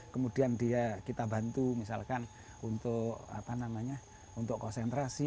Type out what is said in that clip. kemudian dia kita bantu misalkan untuk konsentrasi